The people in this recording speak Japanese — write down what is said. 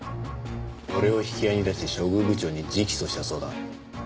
俺を引き合いに出して処遇部長に直訴したそうだな。